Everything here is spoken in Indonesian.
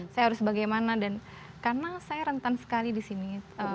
saya harus bagaimana dan karena saya rentan sekali di sini